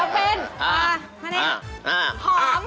มันอยู่กลาง